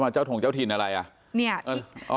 เจ้าถงเจ้าถิ่นอะไรอ่ะ